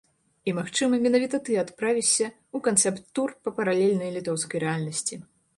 І, магчыма, менавіта ты адправішся ў канцэпт-тур па паралельнай літоўскай рэальнасці!